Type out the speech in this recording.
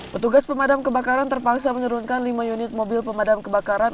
petugas pemadam kebakaran terpaksa menurunkan lima unit mobil pemadam kebakaran